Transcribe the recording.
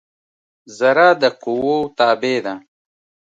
ذره د قوؤ تابع ده.